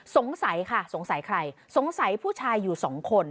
สงสัยค่ะสงสัยใครสงสัยผู้ชายอยู่สองคน